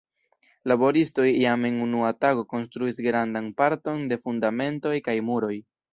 Laboristoj jam en unua tago konstruis grandan parton de fundamentoj kaj muroj.